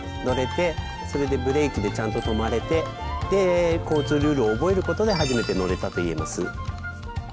乗れてそれでブレーキでちゃんと止まれてで交通ルールを覚えることで初めて乗れたと言えます。